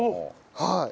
はい。